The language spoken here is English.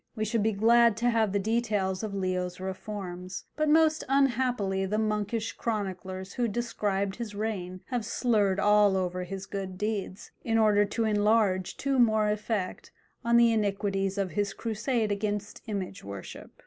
We should be glad to have the details of Leo's reforms, but most unhappily the monkish chroniclers who described his reign have slurred over all his good deeds, in order to enlarge to more effect on the iniquities of his crusade against image worship.